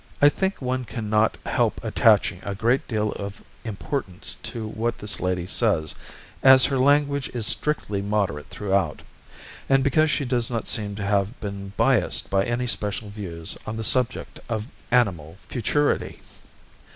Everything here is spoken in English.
I think one cannot help attaching a great deal of importance to what this lady says, as her language is strictly moderate throughout, and because she does not seem to have been biassed by any special views on the subject of animal futurity.